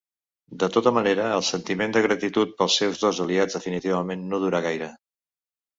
De tota manera, el sentiment de gratitud pels seus dos aliats definitivament no dura gaire.